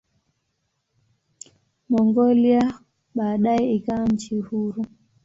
Mongolia baadaye ikawa nchi huru.